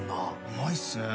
うまいっすね。